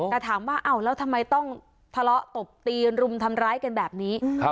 แต่ถามว่าอ้าวแล้วทำไมต้องทะเลาะตบตีรุมทำร้ายกันแบบนี้